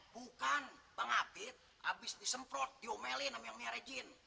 bukan bang abit habis disemprot diomelin sama yang merejin